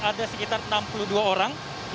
ada sekitar enam puluh dua orang